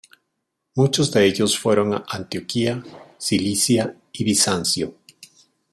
Muchos de ellos fueron a Antioquía, Cilicia, y a Bizancio.